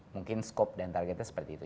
mungkin skop dan targetnya seperti itu